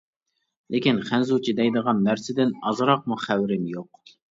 لېكىن خەنزۇچە دەيدىغان نەرسىدىن ئازراقمۇ خەۋىرىم يوق.